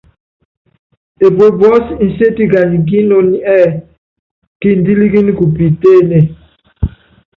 Epue puɔ́sɛ́ nséti kanyi kí inoní ɛ́ɛ́: Kindílíkíni ku piitéénée.